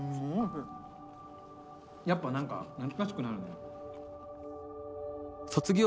やっぱ何か懐かしくなるよね。